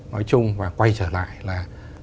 nói chung và quay trở lại là